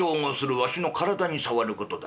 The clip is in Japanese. わしの体に障ることだ。